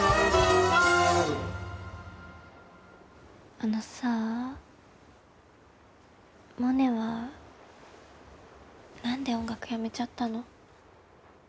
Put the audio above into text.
あのさあモネは何で音楽やめちゃったの？